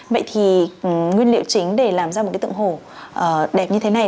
vậy thì nguyên liệu chính để làm ra một cái tượng hồ đẹp như thế này